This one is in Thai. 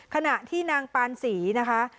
ขณะที่นางปานศรีนะคะ